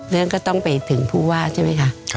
เรื่องก็ต้องไปถึงผู้ว่าใช่ไหมคะ